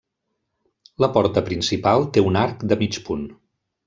La porta principal té un arc de mig punt.